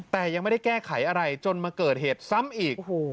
แต่ยังไม่ได้แก้ไขอะไรจนมาเกิดเหตุซ้ำอีก